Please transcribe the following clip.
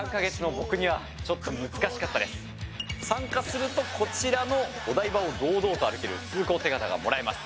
参加すると、こちらのお台場を堂々と歩ける通行手形がもらえます！